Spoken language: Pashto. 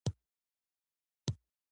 ډرامه باید رښتیا ووايي